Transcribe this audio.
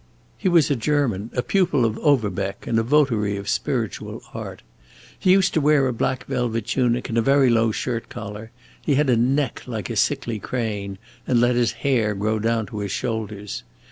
He was a German, a pupil of Overbeck and a votary of spiritual art. He used to wear a black velvet tunic and a very low shirt collar; he had a neck like a sickly crane, and let his hair grow down to his shoulders.